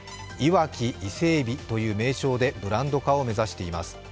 磐城イセエビという名称でブランド化を目指しています。